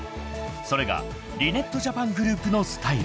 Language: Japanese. ［それがリネットジャパングループのスタイル］